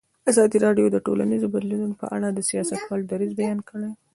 ازادي راډیو د ټولنیز بدلون په اړه د سیاستوالو دریځ بیان کړی.